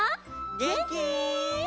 げんき？